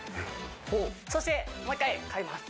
そしてもう一回変えます